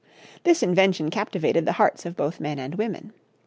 This invention captivated the hearts of both men and women.